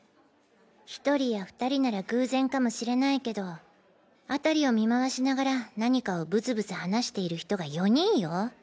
１人や２人なら偶然かもしれないけどあたりを見まわしながら何かをブツブツ話している人が４人よ？